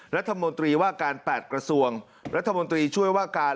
รัฐมนตรีว่าการ๘กระทรวงรัฐมนตรีช่วยว่าการ